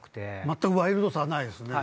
全くワイルドさはないですね。